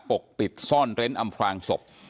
ปกปิดซ่อนเร้นอำพลางศพ